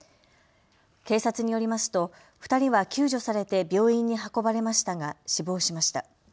警察によりますと２人は救助されて病院に運ばれましたが死亡しました。